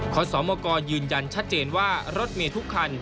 คอสอมโมกอยืนยันชัดเจนว่ารถมีทุกคัน